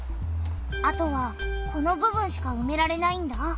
あとはこの部分しかうめられないんだ。